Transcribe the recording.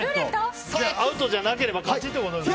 アウトじゃなければ勝ちってことね。